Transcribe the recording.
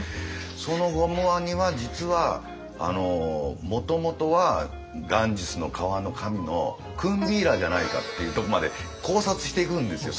そのゴムワニは実はもともとはガンジスの川の神のクンビーラじゃないかっていうとこまで考察していくんですよ。